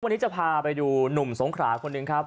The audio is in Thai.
วันนี้จะพาไปดูหนุ่มสงขราคนหนึ่งครับ